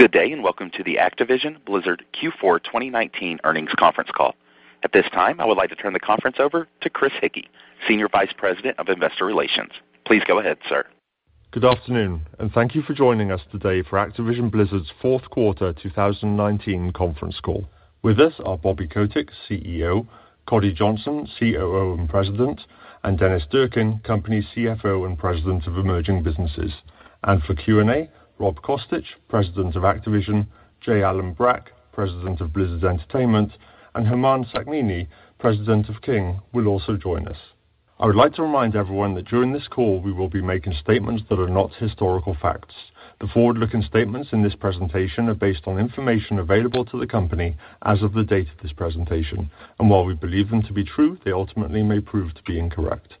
Good day. Welcome to the Activision Blizzard Q4 2019 earnings conference call. At this time, I would like to turn the conference over to Chris Hickey, Senior Vice President of Investor Relations. Please go ahead, sir. Good afternoon, and thank you for joining us today for Activision Blizzard's fourth quarter 2019 conference call. With us are Bobby Kotick, CEO, Coddy Johnson, COO and President, and Dennis Durkin, Company CFO and President of Emerging Businesses. For Q&A, Rob Kostich, President of Activision, J. Allen Brack, President of Blizzard Entertainment, and Humam Sakhnini, President of King, will also join us. I would like to remind everyone that during this call, we will be making statements that are not historical facts. The forward-looking statements in this presentation are based on information available to the company as of the date of this presentation, and while we believe them to be true, they ultimately may prove to be incorrect.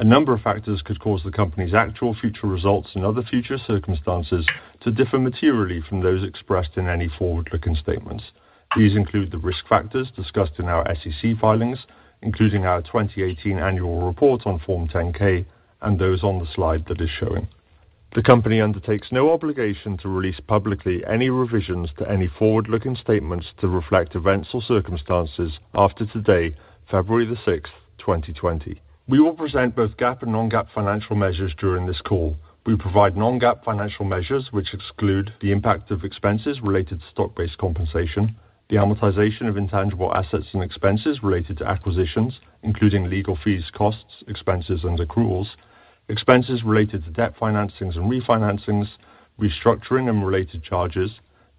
A number of factors could cause the company's actual future results and other future circumstances to differ materially from those expressed in any forward-looking statements. These include the risk factors discussed in our SEC filings, including our 2018 annual report on Form 10-K and those on the slide that is showing. The company undertakes no obligation to release publicly any revisions to any forward-looking statements to reflect events or circumstances after today, February the 6th, 2020. We will present both GAAP and non-GAAP financial measures during this call. We provide non-GAAP financial measures, which exclude the impact of expenses related to stock-based compensation, the amortization of intangible assets and expenses related to acquisitions, including legal fees, costs, expenses, and accruals, expenses related to debt financings and refinancings, restructuring and related charges,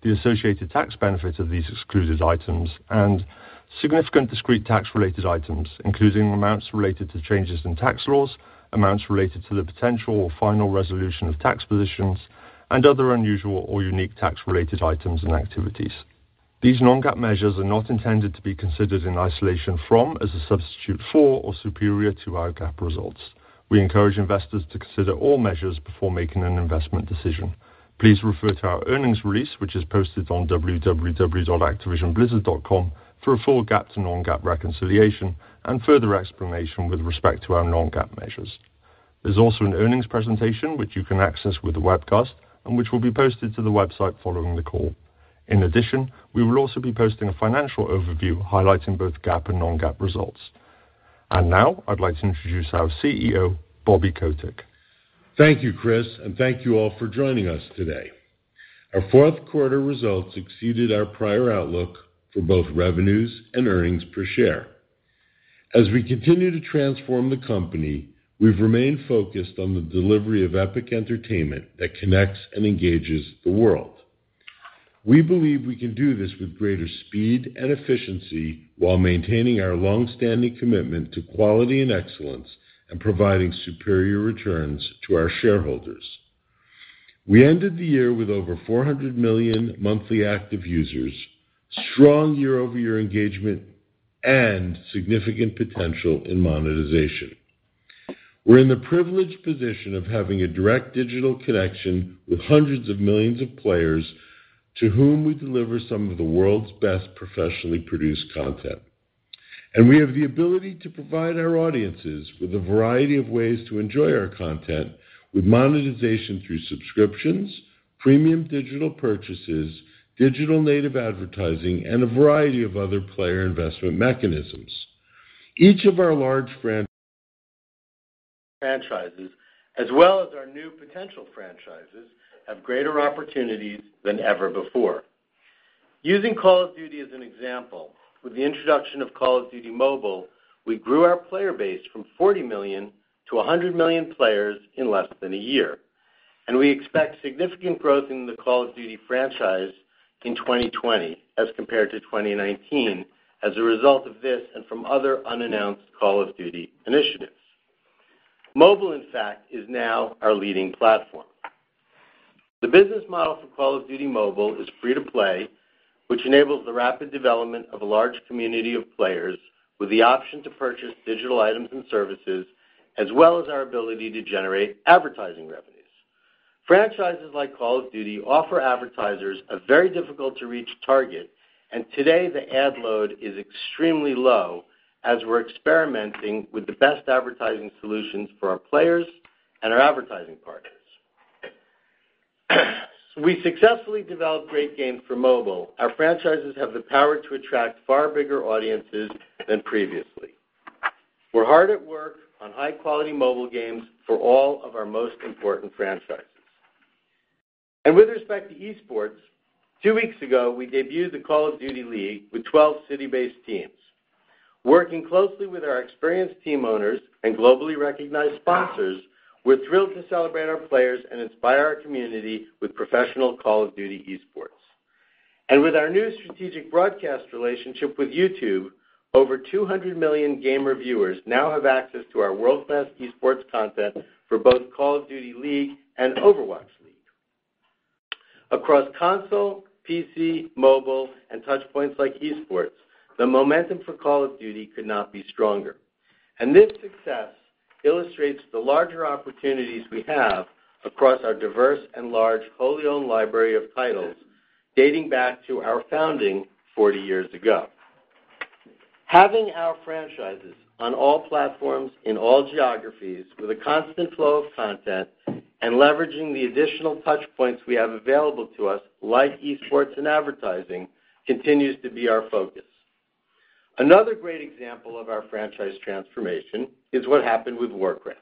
the associated tax benefit of these excluded items, and significant discrete tax-related items, including amounts related to changes in tax laws, amounts related to the potential or final resolution of tax positions, and other unusual or unique tax-related items and activities. These non-GAAP measures are not intended to be considered in isolation from, as a substitute for, or superior to our GAAP results. We encourage investors to consider all measures before making an investment decision. Please refer to our earnings release, which is posted on www.activisionblizzard.com for a full GAAP to non-GAAP reconciliation and further explanation with respect to our non-GAAP measures. There's also an earnings presentation, which you can access with the webcast and which will be posted to the website following the call. In addition, we will also be posting a financial overview highlighting both GAAP and non-GAAP results. Now I'd like to introduce our CEO, Bobby Kotick. Thank you, Chris, and thank you all for joining us today. Our fourth quarter results exceeded our prior outlook for both revenues and earnings per share. As we continue to transform the company, we've remained focused on the delivery of epic entertainment that connects and engages the world. We believe we can do this with greater speed and efficiency while maintaining our longstanding commitment to quality and excellence and providing superior returns to our shareholders. We ended the year with over 400 million monthly active users, strong year-over-year engagement, and significant potential in monetization. We're in the privileged position of having a direct digital connection with hundreds of millions of players to whom we deliver some of the world's best professionally produced content. We have the ability to provide our audiences with a variety of ways to enjoy our content with monetization through subscriptions, premium digital purchases, digital native advertising, and a variety of other player investment mechanisms. Each of our large franchises, as well as our new potential franchises, have greater opportunities than ever before. Using Call of Duty as an example, with the introduction of Call of Duty: Mobile, we grew our player base from 40 million-100 million players in less than a year. We expect significant growth in the Call of Duty franchise in 2020 as compared to 2019 as a result of this and from other unannounced Call of Duty initiatives. Mobile, in fact, is now our leading platform. The business model for Call of Duty: Mobile is free to play, which enables the rapid development of a large community of players with the option to purchase digital items and services, as well as our ability to generate advertising revenues. Franchises like Call of Duty offer advertisers a very difficult-to-reach target, and today the ad load is extremely low as we're experimenting with the best advertising solutions for our players and our advertising partners. As we successfully develop great games for mobile, our franchises have the power to attract far bigger audiences than previously. We're hard at work on high-quality mobile games for all of our most important franchises. With respect to esports, two weeks ago, we debuted the Call of Duty League with 12 city-based teams. Working closely with our experienced team owners and globally recognized sponsors, we're thrilled to celebrate our players and inspire our community with professional Call of Duty esports. With our new strategic broadcast relationship with YouTube, over 200 million gamer viewers now have access to our world-class esports content for both Call of Duty League and Overwatch League. Across console, PC, mobile, and touchpoints like esports, the momentum for Call of Duty could not be stronger. This success illustrates the larger opportunities we have across our diverse and large wholly-owned library of titles dating back to our founding 40 years ago. Having our franchises on all platforms in all geographies with a constant flow of content and leveraging the additional touch points we have available to us like esports and advertising continues to be our focus. Another great example of our franchise transformation is what happened with Warcraft.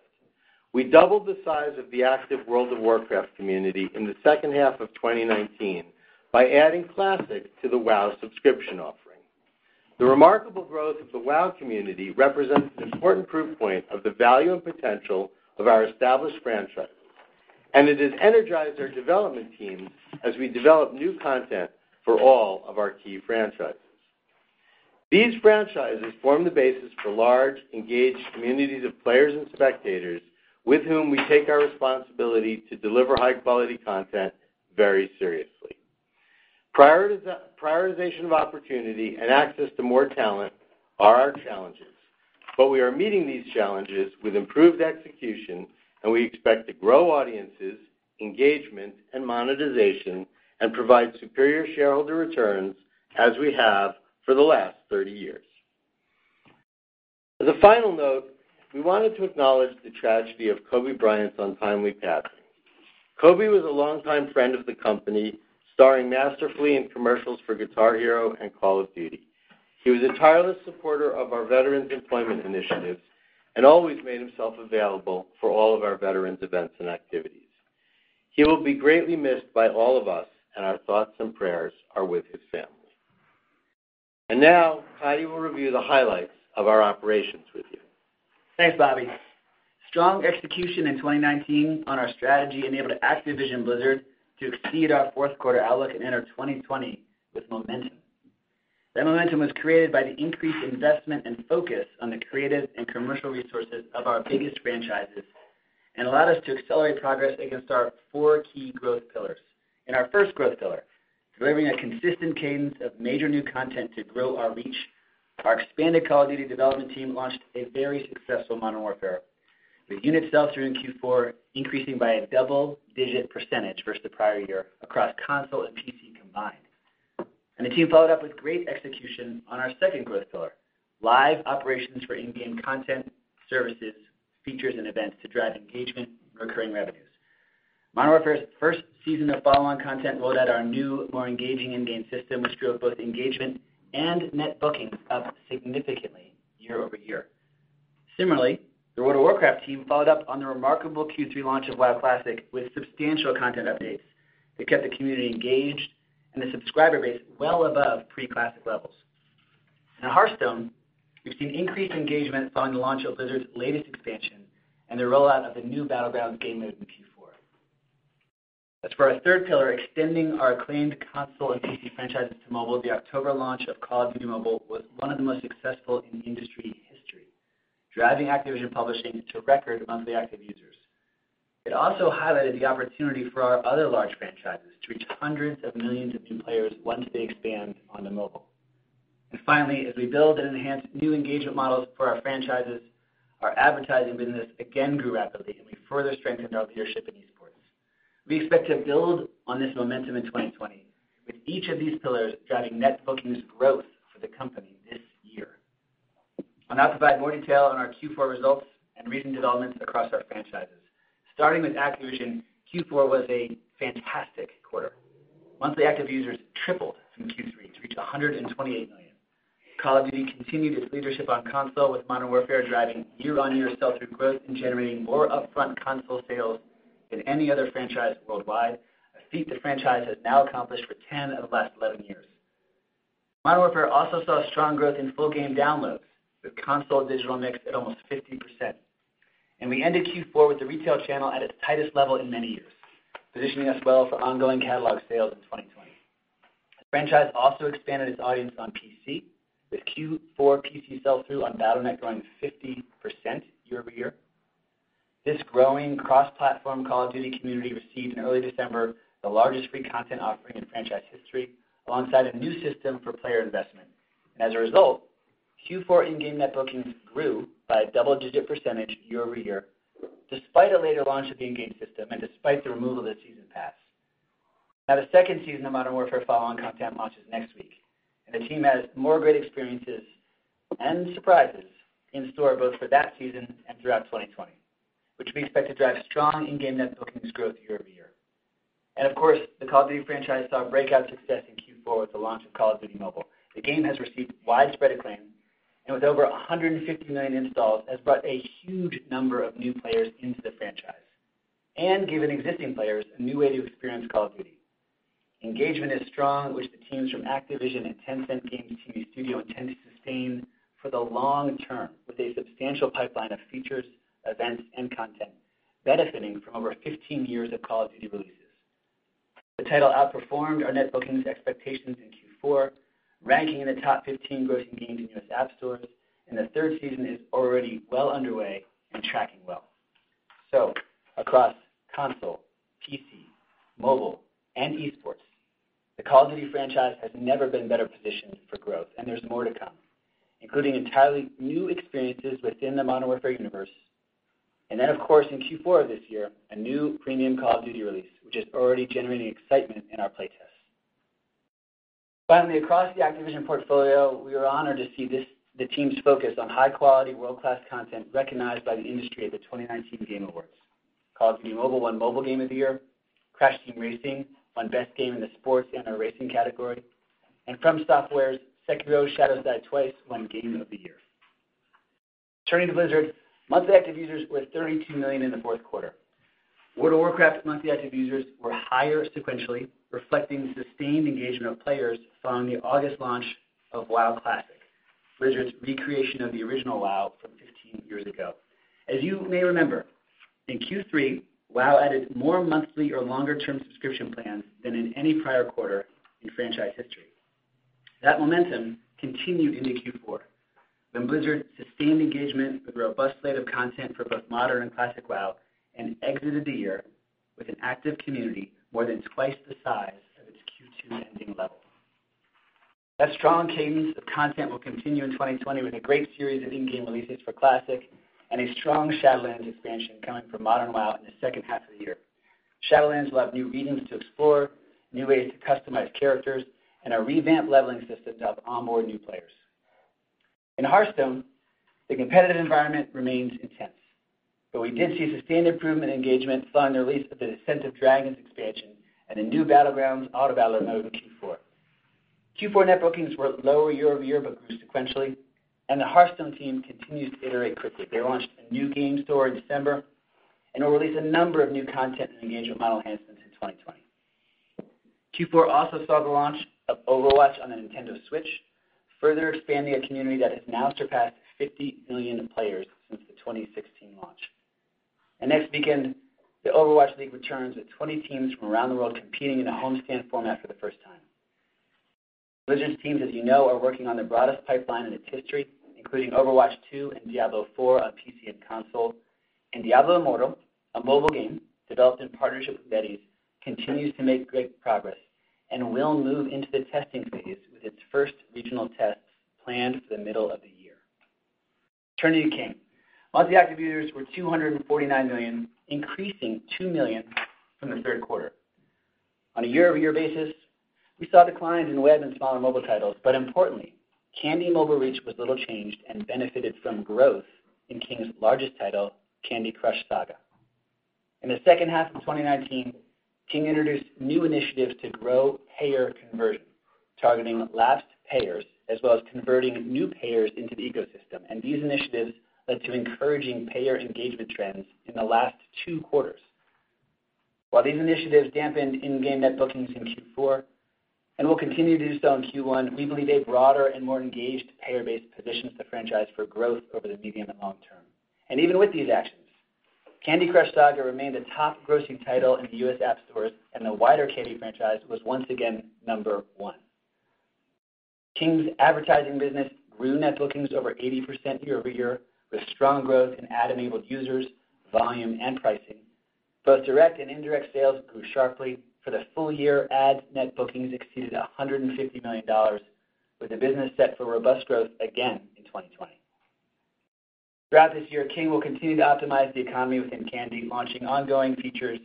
We doubled the size of the active World of Warcraft community in the second half of 2019 by adding Classic to the WoW subscription offering. The remarkable growth of the WoW community represents an important proof point of the value and potential of our established franchises. It has energized our development teams as we develop new content for all of our key franchises. These franchises form the basis for large, engaged communities of players and spectators with whom we take our responsibility to deliver high-quality content very seriously. Prioritization of opportunity and access to more talent are our challenges. We are meeting these challenges with improved execution, and we expect to grow audiences, engagement, and monetization, and provide superior shareholder returns as we have for the last 30 years. As a final note, we wanted to acknowledge the tragedy of Kobe Bryant's untimely passing. Kobe was a longtime friend of the company, starring masterfully in commercials for Guitar Hero and Call of Duty. He was a tireless supporter of our Veterans Employment Initiatives and always made himself available for all of our veterans events and activities. He will be greatly missed by all of us, and our thoughts and prayers are with his family. Now, Coddy will review the highlights of our operations with you. Thanks, Bobby. Strong execution in 2019 on our strategy enabled Activision Blizzard to exceed our fourth quarter outlook and enter 2020 with momentum. That momentum was created by the increased investment and focus on the creative and commercial resources of our biggest franchises, and allowed us to accelerate progress against our four key growth pillars. In our first growth pillar, delivering a consistent cadence of major new content to grow our reach, our expanded Call of Duty development team launched a very successful Modern Warfare, with unit sales during Q4 increasing by a double-digit percentage versus the prior year across console and PC combined. The team followed up with great execution on our second growth pillar, live operations for in-game content, services, features, and events to drive engagement and recurring revenues. Modern Warfare's first season of follow-on content rolled out our new, more engaging in-game system, which drove both engagement and net bookings up significantly year-over-year. Similarly, the World of Warcraft team followed up on the remarkable Q3 launch of WoW Classic with substantial content updates that kept the community engaged and the subscriber base well above pre-Classic levels. In Hearthstone, we've seen increased engagement following the launch of Blizzard's latest expansion and the rollout of the new Battlegrounds game mode in Q4. As for our third pillar, extending our acclaimed console and PC franchises to mobile, the October launch of Call of Duty: Mobile was one of the most successful in industry history, driving Activision Publishing to record monthly active users. It also highlighted the opportunity for our other large franchises to reach hundreds of millions of new players once they expand onto mobile. Finally, as we build and enhance new engagement models for our franchises, our advertising business again grew rapidly, and we further strengthened our leadership in esports. We expect to build on this momentum in 2020, with each of these pillars driving net bookings growth for the company this year. I'll now provide more detail on our Q4 results and recent developments across our franchises. Starting with Activision, Q4 was a fantastic quarter. Monthly active users tripled from Q3 to reach 128 million. Call of Duty continued its leadership on console, with Modern Warfare driving year-on-year sell-through growth and generating more upfront console sales than any other franchise worldwide, a feat the franchise has now accomplished for 10 of the last 11 years. Modern Warfare also saw strong growth in full game downloads, with console digital mix at almost 50%. We ended Q4 with the retail channel at its tightest level in many years, positioning us well for ongoing catalog sales in 2020. The franchise also expanded its audience on PC, with Q4 PC sell-through on Battle.net growing 50% year-over-year. This growing cross-platform Call of Duty community received in early December the largest free content offering in franchise history, alongside a new system for player investment. As a result, Q4 in-game net bookings grew by a double-digit percentage year-over-year, despite a later launch of the in-game system and despite the removal of the season pass. The second season of Modern Warfare follow-on content launches next week, and the team has more great experiences and surprises in store both for that season and throughout 2020, which we expect to drive strong in-game net bookings growth year-over-year. Of course, the Call of Duty franchise saw breakout success in Q4 with the launch of Call of Duty: Mobile. The game has received widespread acclaim, and with over 150 million installs, has brought a huge number of new players into the franchise and given existing players a new way to experience Call of Duty. Engagement is strong, which the teams from Activision and Tencent Games and TiMi Studio intend to sustain for the long term with a substantial pipeline of features, events, and content, benefiting from over 15 years of Call of Duty releases. The title outperformed our net bookings expectations in Q4, ranking in the top 15 grossing games in U.S. App Stores, and the third season is already well underway and tracking well. Across console, PC, mobile, and esports, the Call of Duty franchise has never been better positioned for growth, and there's more to come, including entirely new experiences within the Modern Warfare universe. Of course, in Q4 of this year, a new premium Call of Duty release, which is already generating excitement in our play tests. Finally, across the Activision portfolio, we were honored to see the team's focus on high-quality, world-class content recognized by the industry at The 2019 Game Awards. Call of Duty: Mobile won Mobile Game of the Year, Crash Team Racing won Best Game in the Sports and/or Racing category, and FromSoftware's Sekiro: Shadows Die Twice won Game of the Year. Turning to Blizzard, monthly active users were 32 million in the fourth quarter. World of Warcraft monthly active users were higher sequentially, reflecting sustained engagement of players following the August launch of WoW Classic, Blizzard's recreation of the original WoW from 15 years ago. As you may remember, in Q3, WoW added more monthly or longer-term subscription plans than in any prior quarter in franchise history. That momentum continued into Q4, when Blizzard sustained engagement with a robust slate of content for both modern and Classic WoW and exited the year with an active community more than twice the size of its Q2 ending level. That strong cadence of content will continue in 2020 with a great series of in-game releases for Classic and a strong Shadowlands expansion coming for modern WoW in the second half of the year. Shadowlands will have new regions to explore, new ways to customize characters, and a revamped leveling system to help onboard new players. In Hearthstone, the competitive environment remains intense, but we did see sustained improvement in engagement following the release of the Descent of Dragons expansion and in new Battlegrounds auto-battle mode in Q4. Q4 net bookings were lower year-over-year but grew sequentially, and the Hearthstone team continues to iterate quickly. They launched a new game store in December and will release a number of new content and engagement model enhancements in 2020. Q4 also saw the launch of Overwatch on the Nintendo Switch, further expanding a community that has now surpassed 50 million players since the 2016 launch. Next weekend, the Overwatch League returns with 20 teams from around the world competing in a homestand format for the first time. Blizzard's teams, as you know, are working on their broadest pipeline in its history, including Overwatch 2 and Diablo IV on PC and console, and Diablo Immortal, a mobile game developed in partnership with NetEase, continues to make great progress and will move into the testing phase with its first regional tests planned for the middle of the year. Turning to King. Monthly active users were 249 million, increasing two million from the third quarter. On a year-over-year basis, we saw declines in web and smaller mobile titles, but importantly, Candy mobile reach was little changed and benefited from growth in King's largest title, Candy Crush Saga. In the second half of 2019, King introduced new initiatives to grow payer conversion, targeting lapsed payers as well as converting new payers into the ecosystem. These initiatives led to encouraging payer engagement trends in the last two quarters. While these initiatives dampened in-game net bookings in Q4 and will continue to do so in Q1, we believe a broader and more engaged payer base positions the franchise for growth over the medium and long-term. Even with these actions, Candy Crush Saga remained a top grossing title in the U.S. App Store, and the wider Candy franchise was once again number one. King's advertising business grew net bookings over 80% year-over-year, with strong growth in ad-enabled users, volume, and pricing. Both direct and indirect sales grew sharply. For the full-year, ad net bookings exceeded $150 million, with the business set for robust growth again in 2020. Throughout this year, King will continue to optimize the economy within Candy, launching ongoing features,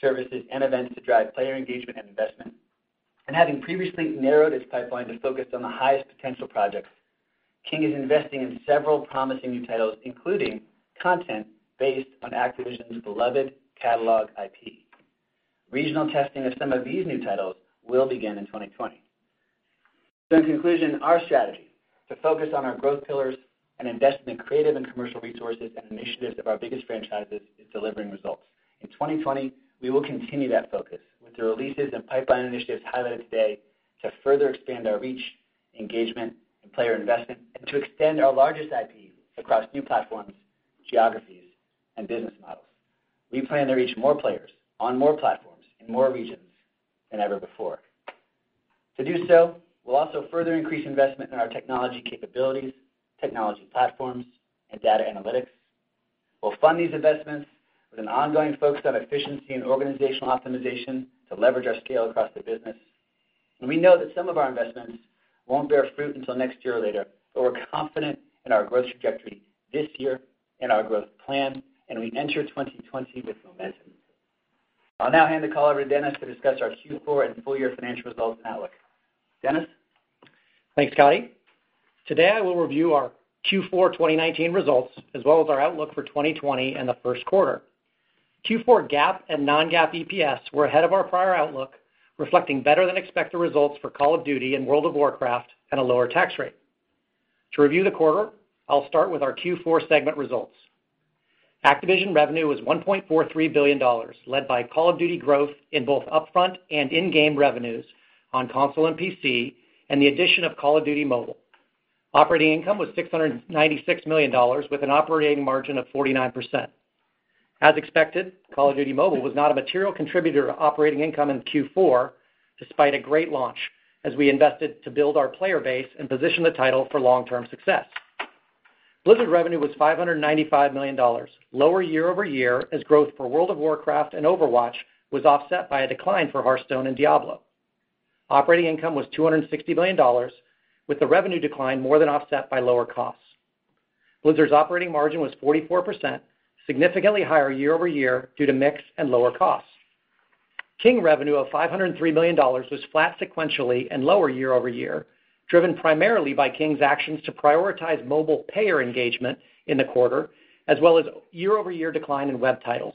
services, and events to drive player engagement and investment. Having previously narrowed its pipeline to focus on the highest potential projects, King is investing in several promising new titles, including content based on Activision's beloved catalog IP. Regional testing of some of these new titles will begin in 2020. In conclusion, our strategy to focus on our growth pillars and invest in the creative and commercial resources and initiatives of our biggest franchises is delivering results. In 2020, we will continue that focus with the releases and pipeline initiatives highlighted today to further expand our reach, engagement, and player investment, and to extend our largest IP across new platforms, geographies, and business models. We plan to reach more players on more platforms in more regions than ever before. To do so, we'll also further increase investment in our technology capabilities, technology platforms, and data analytics. We'll fund these investments with an ongoing focus on efficiency and organizational optimization to leverage our scale across the business. We know that some of our investments won't bear fruit until next year or later, but we're confident in our growth trajectory this year and our growth plan, and we enter 2020 with momentum. I'll now hand the call over to Dennis to discuss our Q4 and full-year financial results and outlook. Dennis? Thanks, Coddy. Today, I will review our Q4 2019 results as well as our outlook for 2020 and the first quarter. Q4 GAAP and non-GAAP EPS were ahead of our prior outlook, reflecting better than expected results for Call of Duty and World of Warcraft and a lower tax rate. To review the quarter, I'll start with our Q4 segment results. Activision revenue was $1.43 billion, led by Call of Duty growth in both upfront and in-game revenues on console and PC and the addition of Call of Duty: Mobile. Operating income was $696 million, with an operating margin of 49%. As expected, Call of Duty: Mobile was not a material contributor to operating income in Q4 despite a great launch, as we invested to build our player base and position the title for long-term success. Blizzard revenue was $595 million, lower year-over-year as growth for World of Warcraft and Overwatch was offset by a decline for Hearthstone and Diablo. Operating income was $260 million with the revenue decline more than offset by lower costs. Blizzard's operating margin was 44%, significantly higher year-over-year due to mix and lower costs. King revenue of $503 million was flat sequentially and lower year-over-year, driven primarily by King's actions to prioritize mobile payer engagement in the quarter, as well as year-over-year decline in web titles.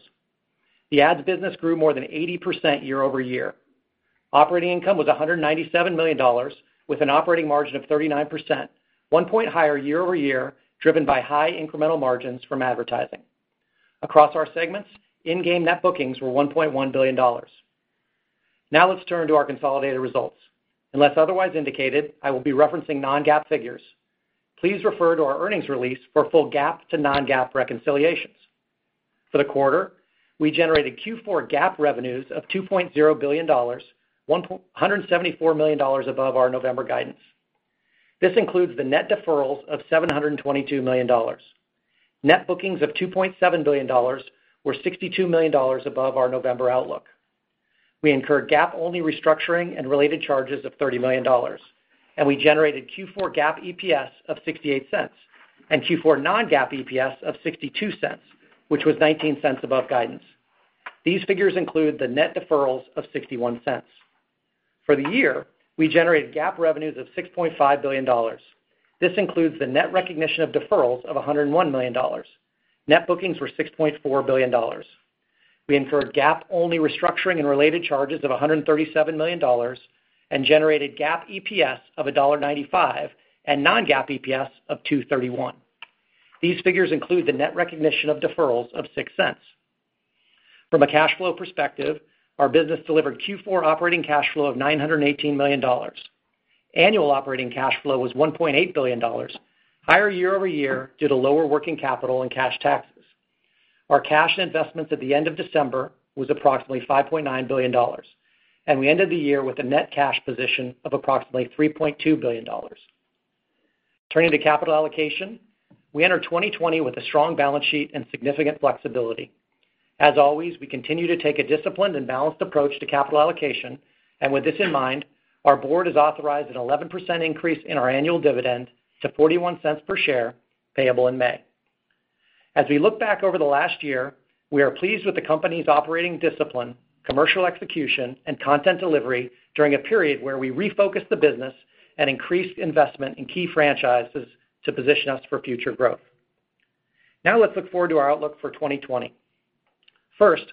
The ads business grew more than 80% year-over-year. Operating income was $197 million, with an operating margin of 39%, 1 point higher year-over-year, driven by high incremental margins from advertising. Across our segments, in-game net bookings were $1.1 billion. Let's turn to our consolidated results. Unless otherwise indicated, I will be referencing non-GAAP figures. Please refer to our earnings release for full GAAP to non-GAAP reconciliations. For the quarter, we generated Q4 GAAP revenues of $2.0 billion, $174 million above our November guidance. This includes the net deferrals of $722 million. Net bookings of $2.7 billion were $62 million above our November outlook. We incurred GAAP-only restructuring and related charges of $30 million, and we generated Q4 GAAP EPS of $0.68 and Q4 non-GAAP EPS of $0.62, which was $0.19 above guidance. These figures include the net deferrals of $0.61. For the year, we generated GAAP revenues of $6.5 billion. This includes the net recognition of deferrals of $101 million. Net bookings were $6.4 billion. We incurred GAAP-only restructuring and related charges of $137 million and generated GAAP EPS of $1.95 and non-GAAP EPS of $2.31. These figures include the net recognition of deferrals of $0.06. From a cash flow perspective, our business delivered Q4 operating cash flow of $918 million. Annual operating cash flow was $1.8 billion, higher year-over-year due to lower working capital and cash taxes. Our cash and investments at the end of December was approximately $5.9 billion, and we ended the year with a net cash position of approximately $3.2 billion. Turning to capital allocation, we enter 2020 with a strong balance sheet and significant flexibility. As always, we continue to take a disciplined and balanced approach to capital allocation. With this in mind, our board has authorized an 11% increase in our annual dividend to $0.41 per share, payable in May. As we look back over the last year, we are pleased with the company's operating discipline, commercial execution, and content delivery during a period where we refocused the business and increased investment in key franchises to position us for future growth. Now let's look forward to our outlook for 2020. First,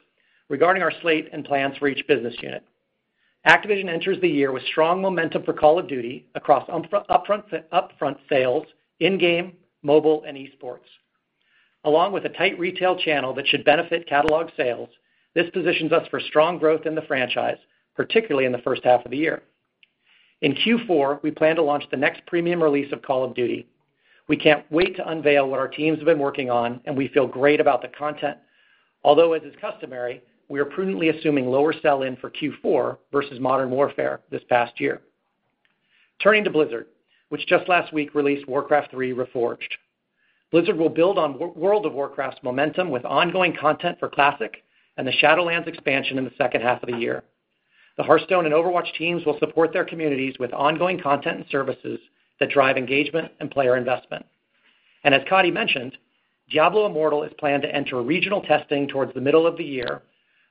regarding our slate and plans for each business unit. Activision enters the year with strong momentum for Call of Duty across upfront sales, in-game, mobile, and esports. Along with a tight retail channel that should benefit catalog sales, this positions us for strong growth in the franchise, particularly in the first half of the year. In Q4, we plan to launch the next premium release of Call of Duty. We can't wait to unveil what our teams have been working on, and we feel great about the content. Although, as is customary, we are prudently assuming lower sell-in for Q4 versus Modern Warfare this past year. Turning to Blizzard, which just last week released Warcraft III: Reforged. Blizzard will build on World of Warcraft's momentum with ongoing content for Classic and the Shadowlands expansion in the second half of the year. The Hearthstone and Overwatch teams will support their communities with ongoing content and services that drive engagement and player investment. As Coddy mentioned, Diablo Immortal is planned to enter regional testing towards the middle of the year,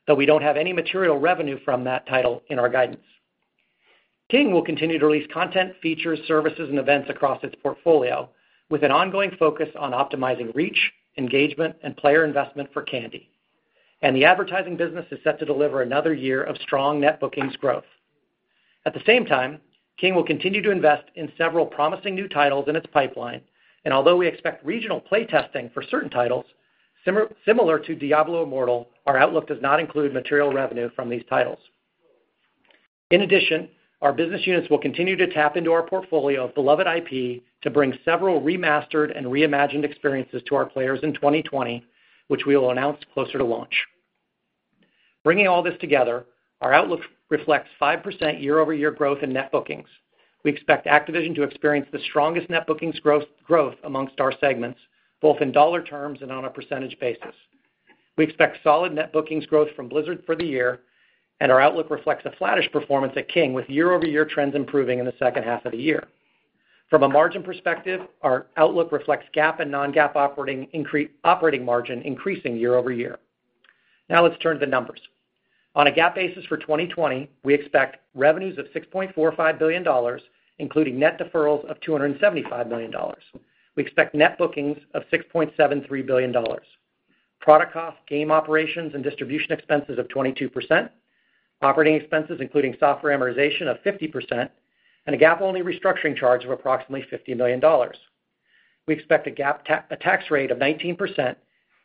though we don't have any material revenue from that title in our guidance. King will continue to release content, features, services, and events across its portfolio with an ongoing focus on optimizing reach, engagement, and player investment for Candy. The advertising business is set to deliver another year of strong net bookings growth. At the same time, King will continue to invest in several promising new titles in its pipeline. Although we expect regional play testing for certain titles, similar to Diablo Immortal, our outlook does not include material revenue from these titles. In addition, our business units will continue to tap into our portfolio of beloved IP to bring several remastered and reimagined experiences to our players in 2020, which we will announce closer to launch. Bringing all this together, our outlook reflects 5% year-over-year growth in net bookings. We expect Activision to experience the strongest net bookings growth amongst our segments, both in dollar terms and on a percentage basis. We expect solid net bookings growth from Blizzard for the year, and our outlook reflects a flattish performance at King with year-over-year trends improving in the second half of the year. From a margin perspective, our outlook reflects GAAP and non-GAAP operating margin increasing year-over-year. Let's turn to the numbers. On a GAAP basis for 2020, we expect revenues of $6.45 billion, including net deferrals of $275 million. We expect net bookings of $6.73 billion. Product cost, game operations, and distribution expenses of 22%, operating expenses including software amortization of 50%, and a GAAP-only restructuring charge of approximately $50 million. We expect a tax rate of 19%,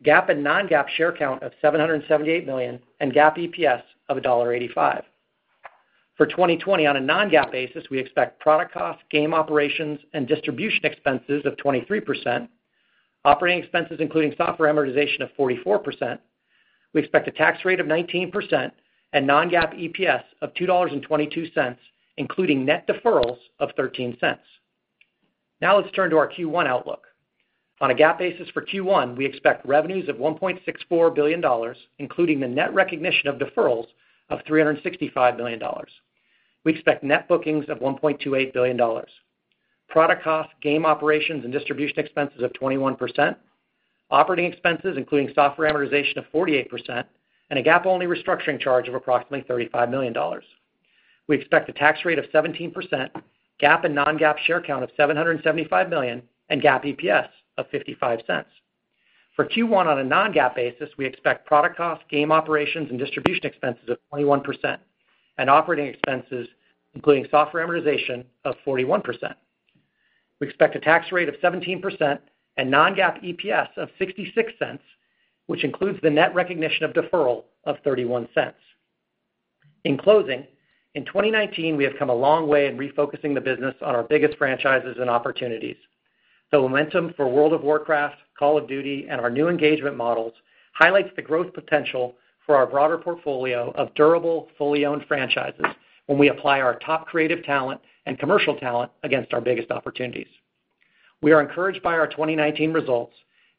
GAAP and non-GAAP share count of 778 million, and GAAP EPS of $1.85. For 2020, on a non-GAAP basis, we expect product cost, game operations, and distribution expenses of 23%, operating expenses including software amortization of 44%. We expect a tax rate of 19% and non-GAAP EPS of $2.22, including net deferrals of $0.13. Let's turn to our Q1 outlook. On a GAAP basis for Q1, we expect revenues of $1.64 billion, including the net recognition of deferrals of $365 million. We expect net bookings of $1.28 billion. Product cost, game operations, and distribution expenses of 21%. Operating expenses, including software amortization of 48%, and a GAAP only restructuring charge of approximately $35 million. We expect a tax rate of 17%, GAAP and non-GAAP share count of 775 million, and GAAP EPS of $0.55. For Q1 on a non-GAAP basis, we expect product cost, game operations, and distribution expenses of 21%, and operating expenses, including software amortization of 41%. We expect a tax rate of 17% and non-GAAP EPS of $0.66, which includes the net recognition of deferral of $0.31. In closing, in 2019, we have come a long way in refocusing the business on our biggest franchises and opportunities. The momentum for World of Warcraft, Call of Duty, and our new engagement models highlights the growth potential for our broader portfolio of durable, fully owned franchises when we apply our top creative talent and commercial talent against our biggest opportunities. We are encouraged by our 2019 results.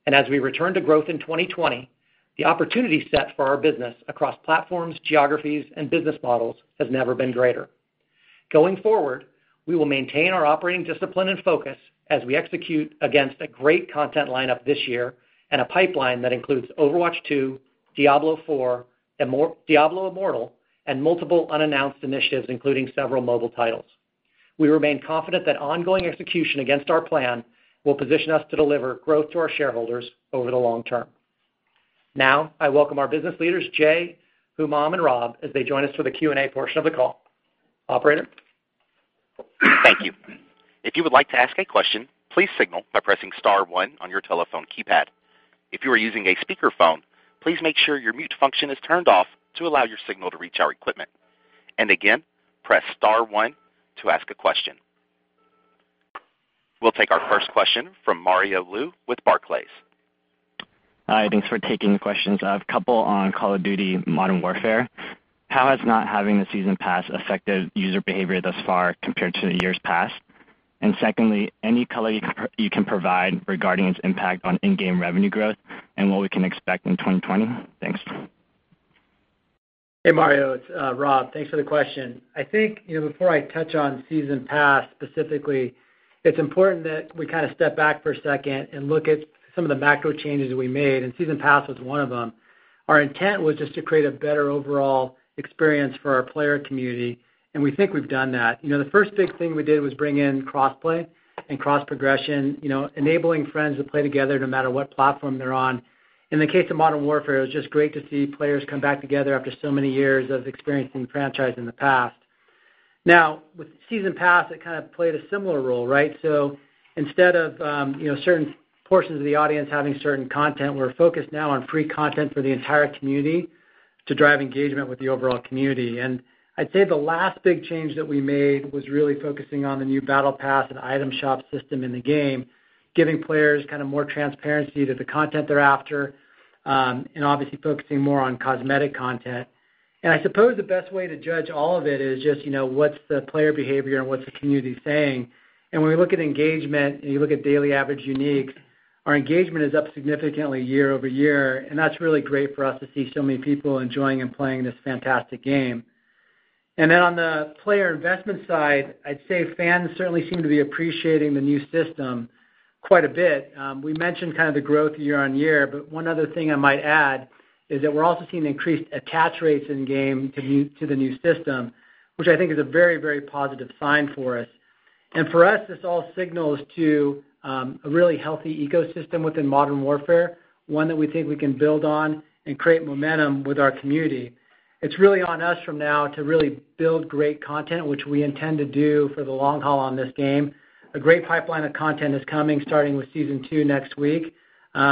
As we return to growth in 2020, the opportunity set for our business across platforms, geographies, and business models has never been greater. Going forward, we will maintain our operating discipline and focus as we execute against a great content lineup this year, and a pipeline that includes Overwatch 2, Diablo IV, Diablo Immortal, and multiple unannounced initiatives, including several mobile titles. We remain confident that ongoing execution against our plan will position us to deliver growth to our shareholders over the long term. I welcome our business leaders J., Humam, and Rob as they join us for the Q&A portion of the call. Operator. Thank you. If you would like to ask a question, please signal by pressing star one on your telephone keypad. If you are using a speakerphone, please make sure your mute function is turned off to allow your signal to reach our equipment. Again, press star one to ask a question. We'll take our first question from Mario Lu with Barclays. Hi, thanks for taking the questions. I have a couple on Call of Duty: Modern Warfare. How has not having the Season Pass affected user behavior thus far compared to years past? Secondly, any color you can provide regarding its impact on in-game revenue growth and what we can expect in 2020? Thanks. Hey, Mario, it's Rob. Thanks for the question. I think before I touch on Season Pass specifically, it's important that we step back for a second and look at some of the macro changes that we made, and Season Pass was one of them. Our intent was just to create a better overall experience for our player community, and we think we've done that. The first big thing we did was bring in cross-play and cross-progression, enabling friends to play together no matter what platform they're on. In the case of Modern Warfare, it was just great to see players come back together after so many years of experiencing the franchise in the past. Now, with Season Pass, it kind of played a similar role, right? Instead of certain portions of the audience having certain content, we're focused now on free content for the entire community to drive engagement with the overall community. I'd say the last big change that we made was really focusing on the new Battle Pass and item shop system in the game, giving players more transparency to the content they're after, and obviously focusing more on cosmetic content. I suppose the best way to judge all of it is just what's the player behavior and what's the community saying. When we look at engagement and you look at daily average uniques, our engagement is up significantly year-over-year, and that's really great for us to see so many people enjoying and playing this fantastic game. Then on the player investment side, I'd say fans certainly seem to be appreciating the new system quite a bit. We mentioned the growth year-on-year, One other thing I might add is that we're also seeing increased attach rates in game to the new system, which I think is a very positive sign for us. For us, this all signals to a really healthy ecosystem within Modern Warfare, one that we think we can build on and create momentum with our community. It's really on us from now to really build great content, which we intend to do for the long haul on this game. A great pipeline of content is coming, starting with Season Two next week. We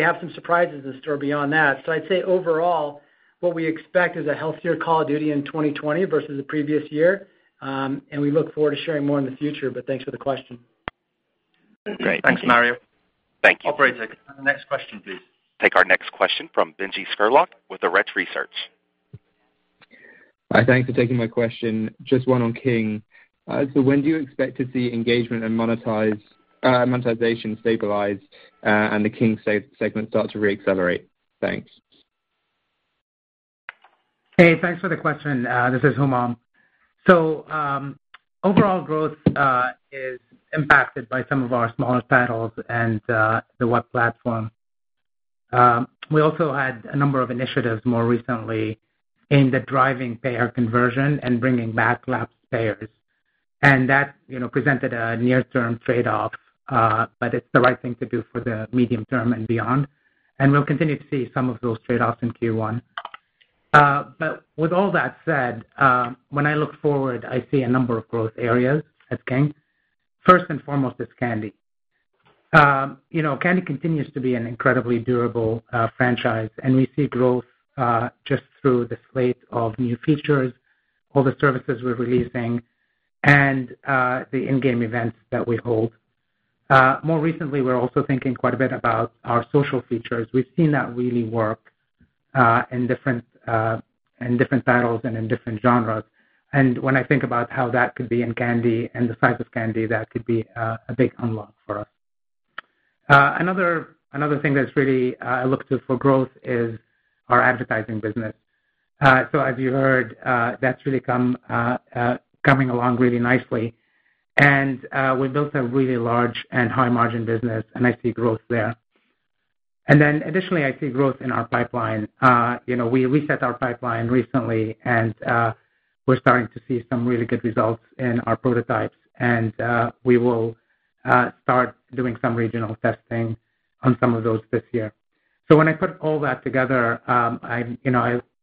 have some surprises in store beyond that. I'd say overall, what we expect is a healthier Call of Duty in 2020 versus the previous year. We look forward to sharing more in the future, Thanks for the question. Great. Thanks, Mario. Thank you. Operator, can we have the next question, please? Take our next question from Benjy Scurlock with Arete Research. Hi, thanks for taking my question. Just one on King. When do you expect to see engagement and monetization stabilize, and the King segment start to re-accelerate? Thanks. Hey, thanks for the question. This is Humam. Overall growth is impacted by some of our smaller titles and the web platform. We also had a number of initiatives more recently aimed at driving payer conversion and bringing back lapsed payers. That presented a near-term trade-off, but it's the right thing to do for the medium-term and beyond. We'll continue to see some of those trade-offs in Q1. With all that said, when I look forward, I see a number of growth areas at King. First and foremost is Candy. Candy continues to be an incredibly durable franchise, and we see growth, just through the slate of new features, all the services we're releasing, and the in-game events that we hold More recently, we're also thinking quite a bit about our social features. We've seen that really work in different titles and in different genres. When I think about how that could be in Candy and the size of Candy, that could be a big unlock for us. Another thing that's really looked to for growth is our advertising business. As you heard, that's really coming along really nicely. We've built a really large and high-margin business, and I see growth there. Additionally, I see growth in our pipeline. We reset our pipeline recently, and we're starting to see some really good results in our prototypes. We will start doing some regional testing on some of those this year. When I put all that together, I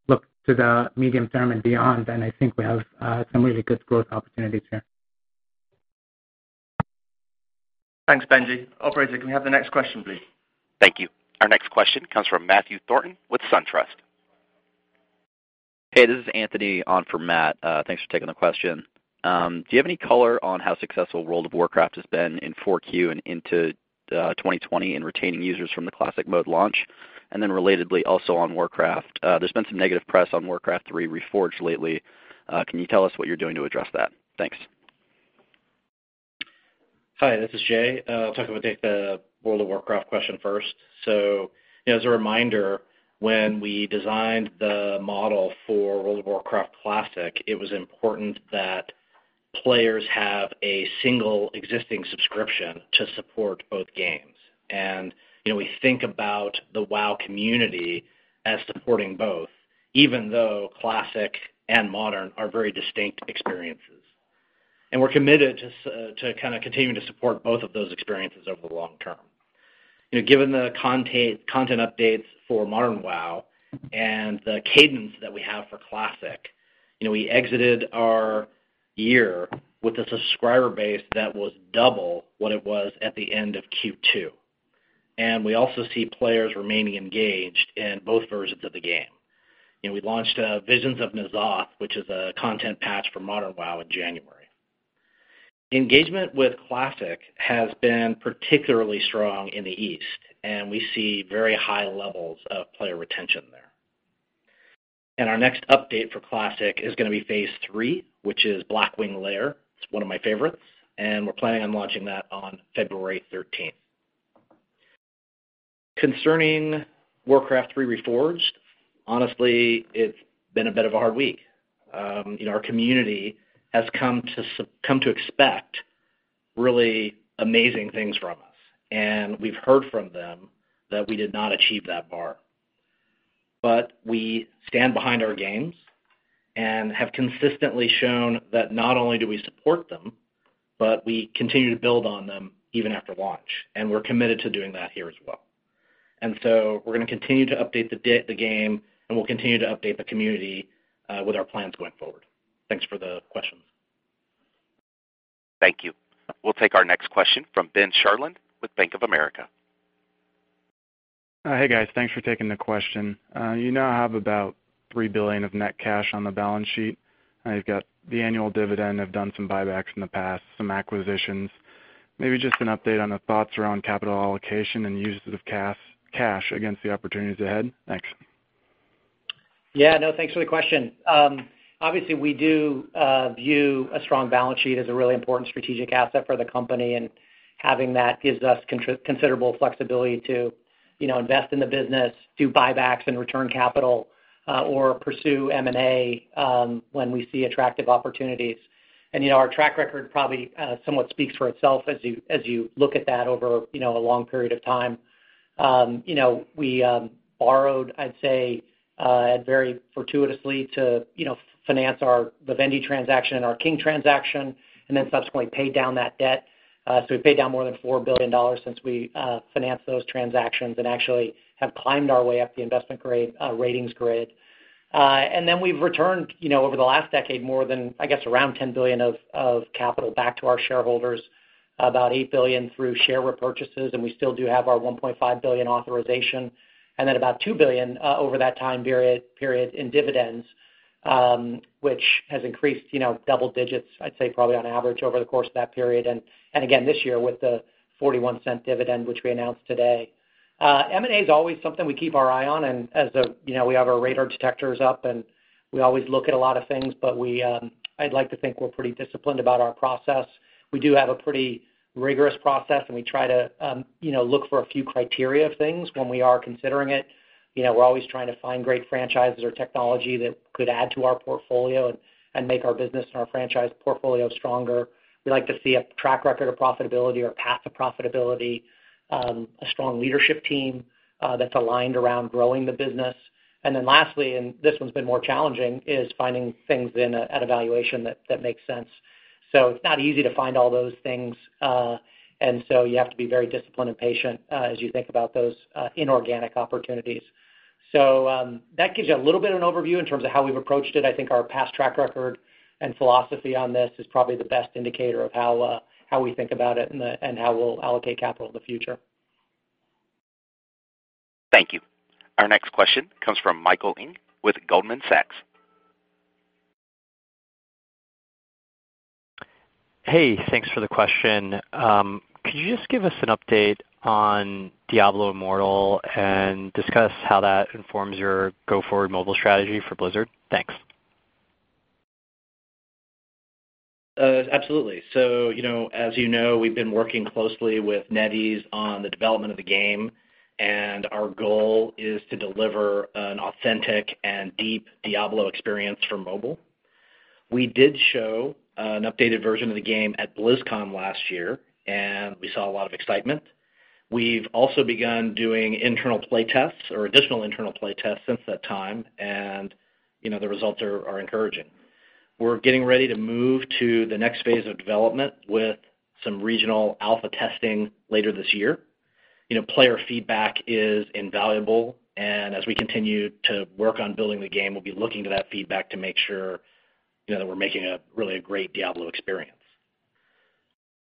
look to the medium-term and beyond, and I think we have some really good growth opportunities here. Thanks, Benjy. Operator, can we have the next question, please? Thank you. Our next question comes from Matthew Thornton with SunTrust. Hey, this is Anthony on for Matt. Thanks for taking the question. Do you have any color on how successful World of Warcraft has been in 4Q and into 2020 in retaining users from the Classic mode launch? Relatedly, also on Warcraft, there's been some negative press on Warcraft III: Reforged lately. Can you tell us what you're doing to address that? Thanks. Hi, this is J. I'll take the World of Warcraft question first. As a reminder, when we designed the model for World of Warcraft Classic, it was important that players have a single existing subscription to support both games. We think about the WoW community as supporting both, even though Classic and modern are very distinct experiences. We're committed to kind of continuing to support both of those experiences over the long term. Given the content updates for modern WoW and the cadence that we have for Classic, we exited our year with a subscriber base that was double what it was at the end of Q2. We also see players remaining engaged in both versions of the game. We launched Visions of N'Zoth, which is a content patch for modern WoW in January. Engagement with Classic has been particularly strong in the East. We see very high levels of player retention there. Our next update for Classic is going to be phase III, which is Blackwing Lair. It's one of my favorites. We're planning on launching that on February 13th. Concerning Warcraft III: Reforged, honestly, it's been a bit of a hard week. Our community has come to expect really amazing things from us. We've heard from them that we did not achieve that bar. We stand behind our games and have consistently shown that not only do we support them, but we continue to build on them even after launch. We're committed to doing that here as well. We're going to continue to update the game, and we'll continue to update the community with our plans going forward. Thanks for the question. Thank you. We'll take our next question from Ben Scharland with Bank of America. Hey, guys. Thanks for taking the question. You now have about $3 billion of net cash on the balance sheet, and you've got the annual dividend, have done some buybacks in the past, some acquisitions. Maybe just an update on the thoughts around capital allocation and uses of cash against the opportunities ahead. Thanks. Yeah. No, thanks for the question. Obviously, we do view a strong balance sheet as a really important strategic asset for the company. Having that gives us considerable flexibility to invest in the business, do buybacks and return capital or pursue M&A when we see attractive opportunities. Our track record probably somewhat speaks for itself as you look at that over a long period of time. We borrowed, I'd say very fortuitously, to finance the Vivendi transaction and our King transaction. Subsequently paid down that debt. We paid down more than $4 billion since we financed those transactions. Actually have climbed our way up the investment ratings grid. We've returned, over the last decade, more than, I guess, $10 billion of capital back to our shareholders, $8 billion through share repurchases, and we still do have our $1.5 billion authorization, and then $2 billion over that time period in dividends, which has increased double digits, I'd say probably on average over the course of that period, and again this year with the $0.41 dividend, which we announced today. M&A is always something we keep our eye on, and we have our radar detectors up, and we always look at a lot of things, but I'd like to think we're pretty disciplined about our process. We do have a pretty rigorous process, and we try to look for a few criteria of things when we are considering it. We're always trying to find great franchises or technology that could add to our portfolio and make our business and our franchise portfolio stronger. We like to see a track record of profitability or path to profitability, a strong leadership team that's aligned around growing the business. Lastly, and this one's been more challenging, is finding things at a valuation that makes sense. It's not easy to find all those things, you have to be very disciplined and patient as you think about those inorganic opportunities. That gives you a little bit of an overview in terms of how we've approached it. I think our past track record and philosophy on this is probably the best indicator of how we think about it and how we'll allocate capital in the future. Thank you. Our next question comes from Michael Ng with Goldman Sachs. Hey, thanks for the question. Could you just give us an update on Diablo Immortal and discuss how that informs your go-forward mobile strategy for Blizzard? Thanks. Absolutely. As you know, we've been working closely with NetEase on the development of the game, and our goal is to deliver an authentic and deep Diablo experience for mobile. We did show an updated version of the game at BlizzCon last year, and we saw a lot of excitement. We've also begun doing internal play tests or additional internal play tests since that time. The results are encouraging. We're getting ready to move to the next phase of development with some regional alpha testing later this year. Player feedback is invaluable, and as we continue to work on building the game, we'll be looking to that feedback to make sure that we're making a really great Diablo experience.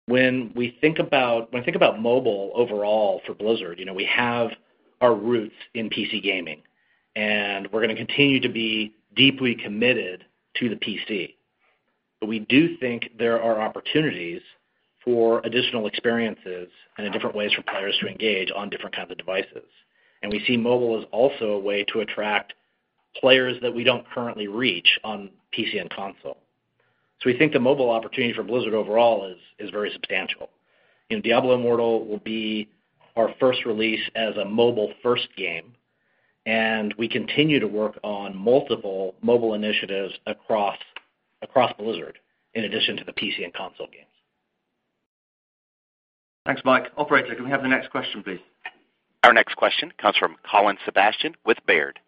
When I think about mobile overall for Blizzard, we have our roots in PC gaming, and we're going to continue to be deeply committed to the PC. We do think there are opportunities for additional experiences and different ways for players to engage on different kinds of devices. We see mobile as also a way to attract players that we don't currently reach on PC and console. We think the mobile opportunity for Blizzard overall is very substantial. Diablo Immortal will be our first release as a mobile-first game, and we continue to work on multiple mobile initiatives across Blizzard in addition to the PC and console games. Thanks, Mike. Operator, can we have the next question, please? Our next question comes from Colin Sebastian with Baird.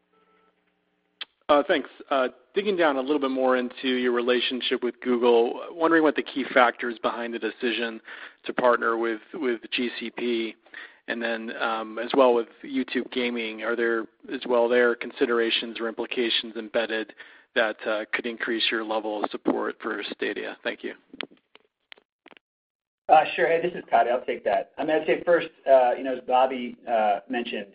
Thanks. Digging down a little bit more into your relationship with Google, wondering what the key factors behind the decision to partner with the GCP and then, as well with YouTube Gaming, are there as well there considerations or implications embedded that could increase your level of support for Stadia? Thank you. Sure. Hey, this is Todd. I'll take that. I'd say first, as Bobby mentioned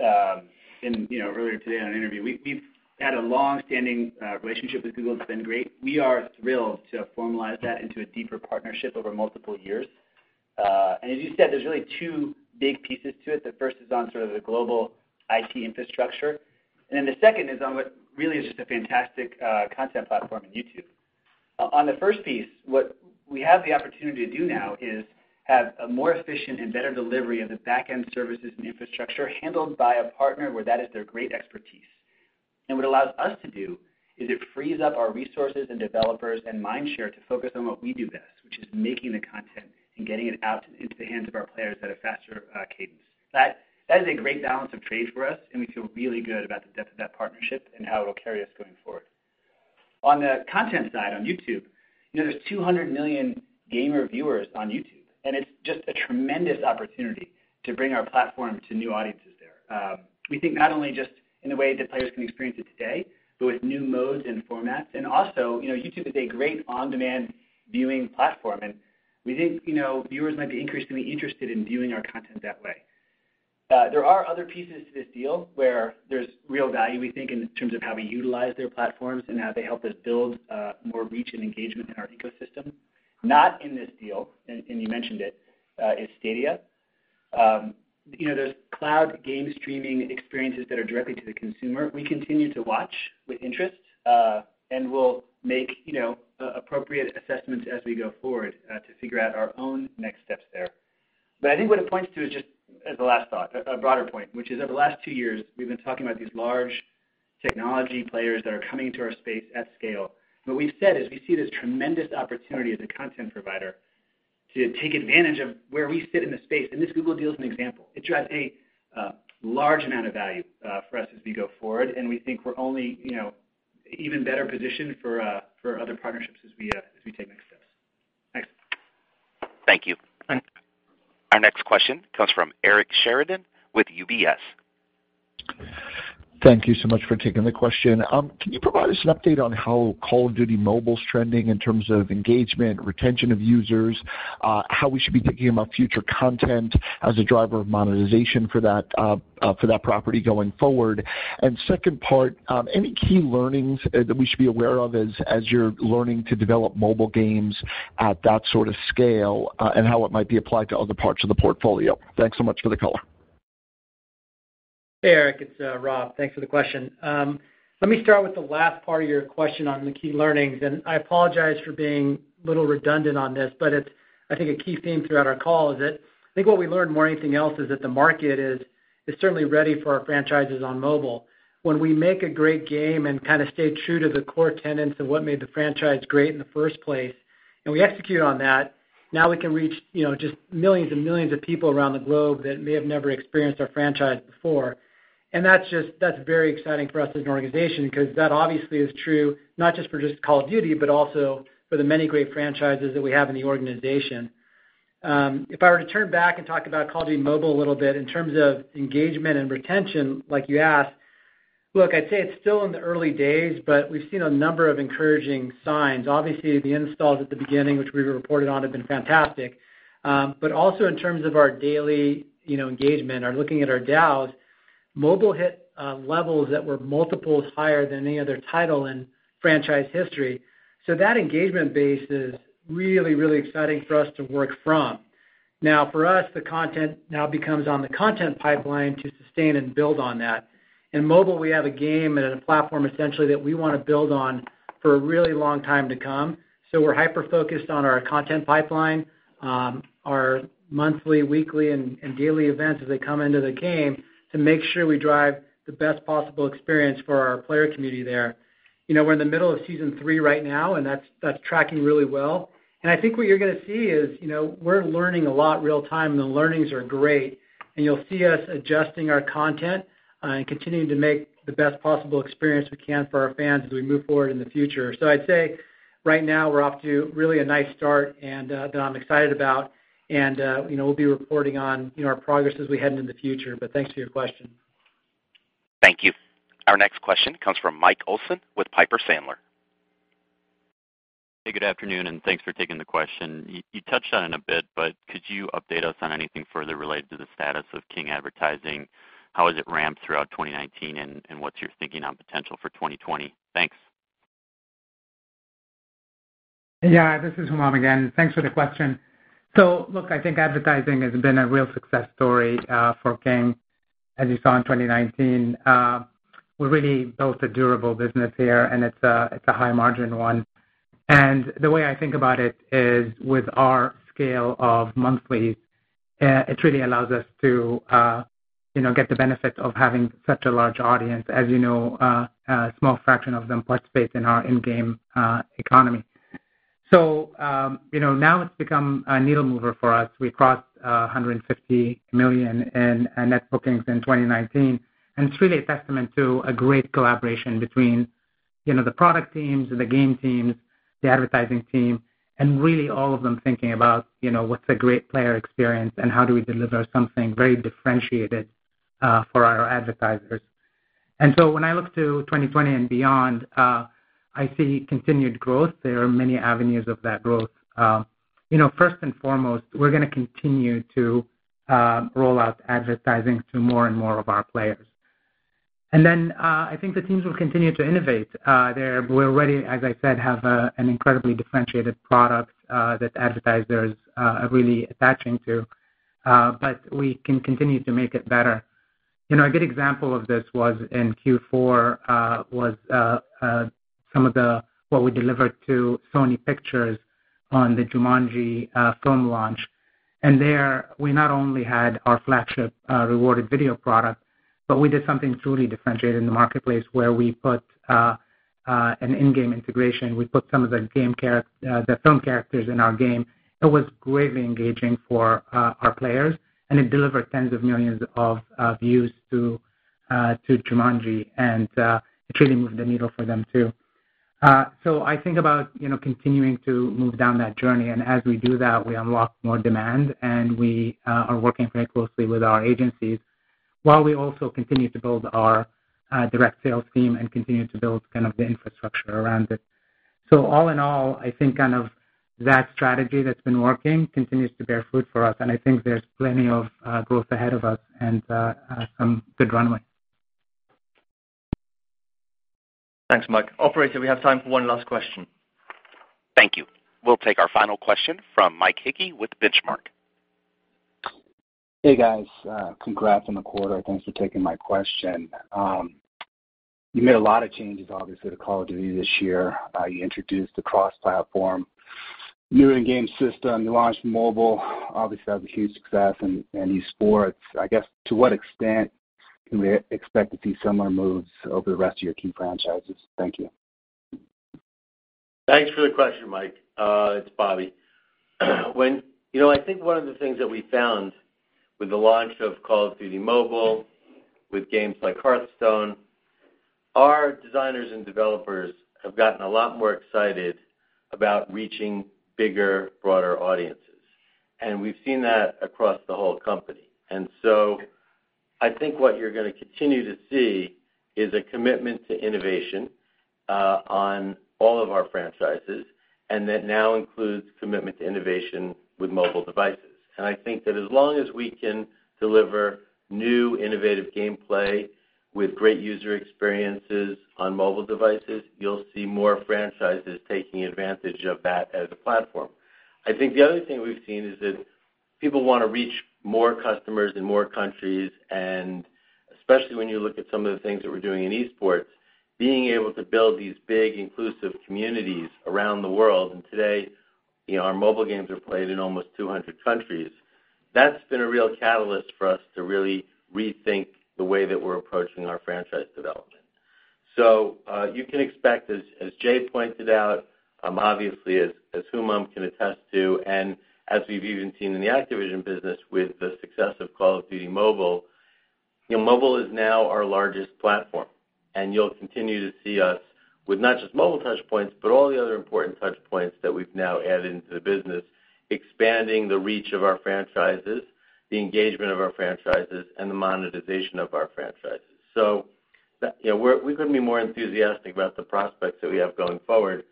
earlier today on an interview, we've had a longstanding relationship with Google. It's been great. We are thrilled to formalize that into a deeper partnership over multiple years. As you said, there's really two big pieces to it. The first is on sort of the global IT infrastructure. The second is on what really is just a fantastic content platform in YouTube. On the first piece, what we have the opportunity to do now is have a more efficient and better delivery of the backend services and infrastructure handled by a partner where that is their great expertise. What allows us to do is it frees up our resources and developers and mind share to focus on what we do best, which is making the content and getting it out into the hands of our players at a faster cadence. That is a great balance of trade for us, and we feel really good about the depth of that partnership and how it'll carry us going forward. On the content side, on YouTube, there's 200 million gamer viewers on YouTube, and it's just a tremendous opportunity to bring our platform to new audiences there. We think not only just in the way that players can experience it today, but with new modes and formats. Also, YouTube is a great on-demand viewing platform, and we think viewers might be increasingly interested in viewing our content that way. There are other pieces to this deal where there's real value, we think, in terms of how we utilize their platforms and how they help us build more reach and engagement in our ecosystem. Not in this deal, and you mentioned it, is Stadia. Those cloud game streaming experiences that are directly to the consumer, we continue to watch with interest, and we'll make appropriate assessments as we go forward to figure out our own next steps there. I think what it points to is just as a last thought, a broader point, which is over the last two years, we've been talking about these large technology players that are coming into our space at scale. What we've said is we see this tremendous opportunity as a content provider to take advantage of where we sit in the space, and this Google deal is an example. It drives a large amount of value for us as we go forward, and we think we're only even better positioned for other partnerships as we take next steps. Thanks. Thank you. Our next question comes from Eric Sheridan with UBS. Thank you so much for taking the question. Can you provide us an update on how Call of Duty: Mobile's trending in terms of engagement, retention of users, how we should be thinking about future content as a driver of monetization for that property going forward? Second part, any key learnings that we should be aware of as you're learning to develop mobile games at that sort of scale, and how it might be applied to other parts of the portfolio? Thanks so much for the color. Hey, Eric, it's Rob. Thanks for the question. Let me start with the last part of your question on the key learnings. I apologize for being a little redundant on this, but I think a key theme throughout our call is that I think what we learned more than anything else is that the market is certainly ready for our franchises on mobile. When we make a great game and kind of stay true to the core tenets of what made the franchise great in the first place, and we execute on that, now we can reach just millions and millions of people around the globe that may have never experienced our franchise before. That's very exciting for us as an organization because that obviously is true not just for just Call of Duty, but also for the many great franchises that we have in the organization. If I were to turn back and talk about Call of Duty: Mobile a little bit in terms of engagement and retention, like you asked, look, I'd say it's still in the early days, but we've seen a number of encouraging signs. Obviously, the installs at the beginning, which we reported on, have been fantastic. Also in terms of our daily engagement or looking at our DAUs Mobile hit levels that were multiples higher than any other title in franchise history. That engagement base is really, really exciting for us to work from. For us, the content now becomes on the content pipeline to sustain and build on that. In mobile, we have a game and a platform essentially that we want to build on for a really long time to come. We're hyper-focused on our content pipeline, our monthly, weekly, and daily events as they come into the game to make sure we drive the best possible experience for our player community there. We're in the middle of season three right now, and that's tracking really well. I think what you're going to see is, we're learning a lot real-time. The learnings are great. You'll see us adjusting our content and continuing to make the best possible experience we can for our fans as we move forward in the future. I'd say right now we're off to really a nice start and that I'm excited about. We'll be reporting on our progress as we head into the future. Thanks for your question. Thank you. Our next question comes from Mike Olson with Piper Sandler. Good afternoon, and thanks for taking the question. You touched on it a bit, but could you update us on anything further related to the status of King advertising? How has it ramped throughout 2019, and what's your thinking on potential for 2020? Thanks. Yeah. This is Humam again. Thanks for the question. Look, I think advertising has been a real success story for King, as you saw in 2019. We really built a durable business here, and it's a high-margin one. The way I think about it is with our scale of monthly, it really allows us to get the benefit of having such a large audience. As you know, a small fraction of them participate in our in-game economy. Now it's become a needle mover for us. We crossed $150 million in net bookings in 2019. It's really a testament to a great collaboration between the product teams, the game teams, the advertising team, and really all of them thinking about what's a great player experience and how do we deliver something very differentiated for our advertisers. When I look to 2020 and beyond, I see continued growth. There are many avenues of that growth. First and foremost, we're going to continue to roll out advertising to more and more of our players. Then, I think the teams will continue to innovate. We already, as I said, have an incredibly differentiated product that advertisers are really attaching to. We can continue to make it better. A good example of this was in Q4 was some of what we delivered to Sony Pictures on the Jumanji film launch. There, we not only had our flagship rewarded video product, but we did something truly differentiated in the marketplace where we put an in-game integration. We put some of the film characters in our game. It was greatly engaging for our players, and it delivered tens of millions of views to Jumanji and truly moved the needle for them, too. I think about continuing to move down that journey. As we do that, we unlock more demand, and we are working very closely with our agencies while we also continue to build our direct sales team and continue to build kind of the infrastructure around it. All in all, I think kind of that strategy that's been working continues to bear fruit for us, and I think there's plenty of growth ahead of us and some good runway. Thanks, Mike. Operator, we have time for one last question. Thank you. We'll take our final question from Mike Hickey with Benchmark. Hey, guys. Congrats on the quarter. Thanks for taking my question. You made a lot of changes, obviously, to Call of Duty this year. You introduced the cross-platform new in-game system. You launched Call of Duty: Mobile, obviously has a huge success in esports. I guess, to what extent can we expect to see similar moves over the rest of your key franchises? Thank you. Thanks for the question, Mike. It's Bobby. I think one of the things that we found with the launch of Call of Duty: Mobile with games like Hearthstone, our designers and developers have gotten a lot more excited about reaching bigger, broader audiences, and we've seen that across the whole company. I think what you're going to continue to see is a commitment to innovation on all of our franchises, and that now includes commitment to innovation with mobile devices. I think that as long as we can deliver new, innovative gameplay with great user experiences on mobile devices, you'll see more franchises taking advantage of that as a platform. I think the other thing we've seen is that people want to reach more customers in more countries, and especially when you look at some of the things that we're doing in esports, being able to build these big, inclusive communities around the world. Today our mobile games are played in almost 200 countries. That's been a real catalyst for us to really rethink the way that we're approaching our franchise development. You can expect, as J. pointed out, obviously as Humam can attest to, and as we've even seen in the Activision business with the success of Call of Duty: Mobile, mobile is now our largest platform. You'll continue to see us with not just mobile touch points, but all the other important touch points that we've now added into the business, expanding the reach of our franchises, the engagement of our franchises, and the monetization of our franchises. We couldn't be more enthusiastic about the prospects that we have going forward.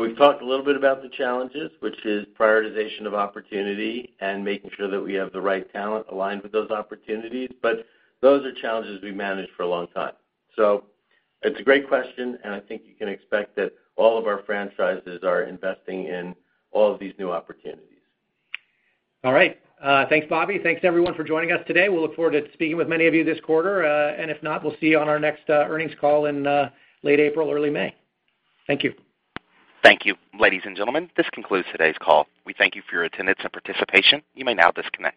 We've talked a little bit about the challenges, which is prioritization of opportunity and making sure that we have the right talent aligned with those opportunities. Those are challenges we've managed for a long time. It's a great question, and I think you can expect that all of our franchises are investing in all of these new opportunities. All right. Thanks, Bobby. Thanks, everyone, for joining us today. We'll look forward to speaking with many of you this quarter. If not, we'll see you on our next earnings call in late April, early May. Thank you. Thank you. Ladies and gentlemen, this concludes today's call. We thank you for your attendance and participation. You may now disconnect.